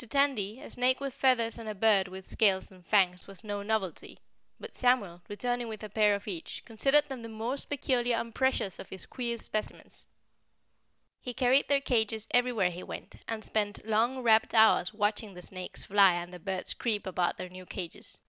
To Tandy a snake with feathers and a bird with scales and fangs was no novelty, but Samuel, returning with a pair of each, considered them the most peculiar and precious of his queer specimens. He carried their cages everywhere he went and spent long rapt hours watching the snakes fly and the birds creep about their new cages.